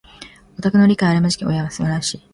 オタクへの理解のある親まじ羨ましい。